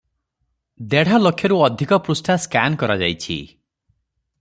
ଦେଢ଼ ଲକ୍ଷରୁ ଅଧିକ ପୃଷ୍ଠା ସ୍କାନ କରାଯାଇଛି ।